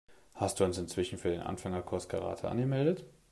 Hast du uns inzwischen für den Anfängerkurs Karate angemeldet?